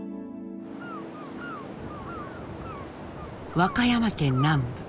和歌山県南部。